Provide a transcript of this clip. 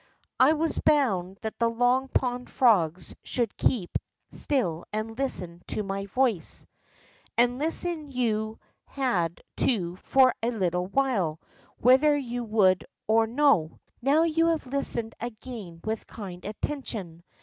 I Avas bound that the Long Pond frogs should keep still and listen to my voice. And listen you had to for a little Avhile, Avhether you Avould or no. I^OAV you haA^e listened again Avith kind atten tion.